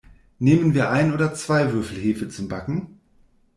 Nehmen wir ein oder zwei Würfel Hefe zum Backen?